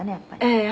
「ええ。